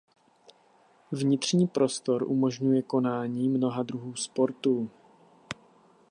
Vnitřní prostor umožňuje konání mnoha druhů sportů.